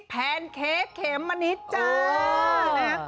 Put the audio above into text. แพนเค้กเขมมะนิดจ้านะ